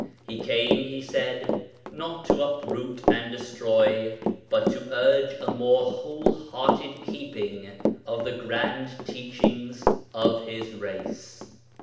He came, he said, not to uproot and destroy but to urge a more whole hearted keeping of the grand teach ings of his race.